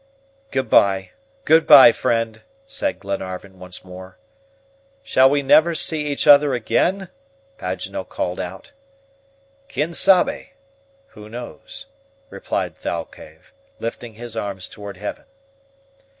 "Good by, good by, friend!" said Glenarvan, once more. "Shall we never see each other again?" Paganel called out. "Quien sabe?" (Who knows?) replied Thalcave, lifting his arms toward heaven.